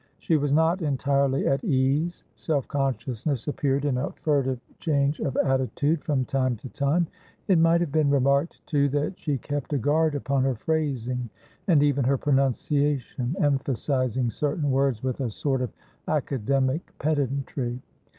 She was not entirely at ease; self consciousness appeared in a furtive change of attitude from time to time; it might have been remarked, too, that she kept a guard upon her phrasing and even her pronunciation, emphasising certain words with a sort of academic pedantry.